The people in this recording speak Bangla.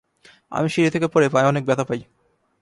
আমি সিঁড়ি থেকে পরে পায়ে অনেক ব্যথা পাই।